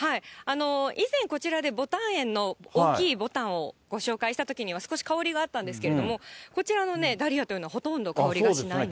以前、こちらでぼたん苑の大きいぼたんをご紹介したときには、少し香りがあったんですけれども、こちらのね、ダリアというのは、ほとんど香りがしないんです。